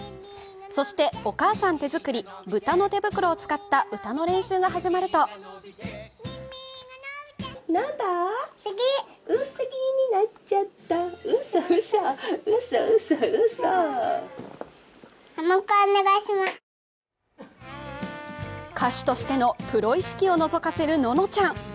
そしてお母さん手作り、豚の手袋を使った歌の練習が始まると歌手としてのプロ意識をのぞかせるののちゃん。